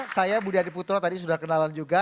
saya budi adiputro tadi sudah kenalan juga